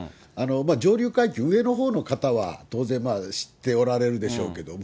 上流階級、上のほうの方は、当然まあ、知っておられるでしょうけども。